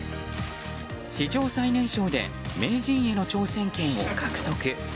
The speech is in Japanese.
史上最年少で名人への挑戦権を獲得。